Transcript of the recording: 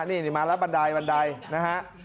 นี่มาแล้วบันไดนะฮะ